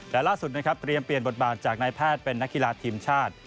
แต่ล่าสุดนะครับเตรียมเปลี่ยนบทบาทจากนายแพทย์เป็นนักกีฬาทีมชาติ